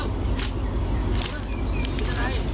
ผมชื่อครับ